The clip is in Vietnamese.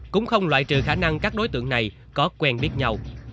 cũng không loại trừ khả năng các đối tượng này có quen biết nhau